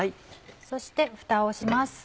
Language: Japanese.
そしてふたをします。